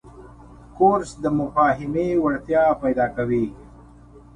کورس د مفاهمې وړتیا پیدا کوي.